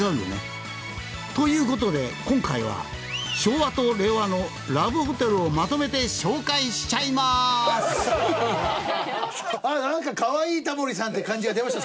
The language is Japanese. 「ということで今回は昭和と令和のラブホテルをまとめて紹介しちゃいまーす！」なんかかわいいタモリさんって感じが出ました最後。